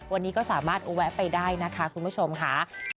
วันนี้ก็สามารถแวะไปได้นะคะคุณผู้ชมค่ะ